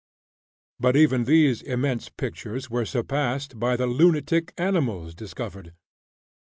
But even these immense pictures were surpassed by the "lunatic" animals discovered.